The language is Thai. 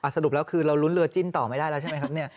สรุปแล้วคือเรารุ้นเรือจิ้นต่อไม่ได้ใช่มั้ยครับ